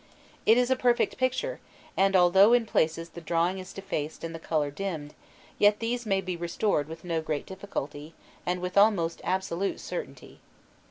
It is a perfect picture, and although in places the drawing is defaced and the colour dimmed, yet these may be restored with no great difficulty, and with almost absolute certainty.